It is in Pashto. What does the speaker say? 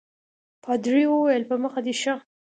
پادري وویل په مخه دي ښه.